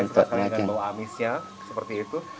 kita akan bawa amisnya seperti itu